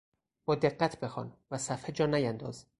با دقت بخوان و صفحه جا نیانداز.